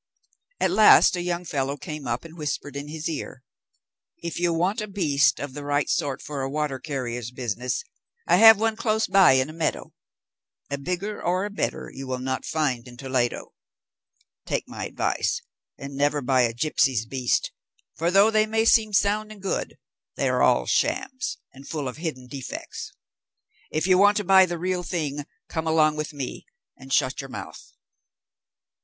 At last a young fellow came up, and whispered in his ear, "If you want a beast of the right sort for a water carrier's business, I have one close by in a meadow; a bigger or a better you will not find in Toledo. Take my advice, and never buy a gipsy's beast, for though they may seem sound and good, they are all shams, and full of hidden defects. If you want to buy the real thing, come along with me, and shut your mouth."